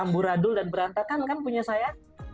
amburadul dan berantakan kan punya saya